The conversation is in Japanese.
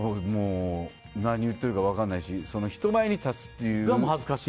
何を言ってるか分からないし人前に立つというのが恥ずかしい。